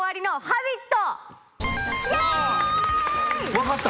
分かった！